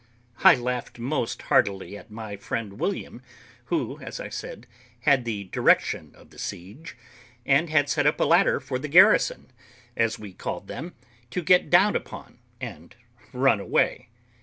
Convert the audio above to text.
I laughed most heartily at my friend William, who, as I said, had the direction of the siege, and had set up a ladder for the garrison, as we called them, to get down upon, and run away.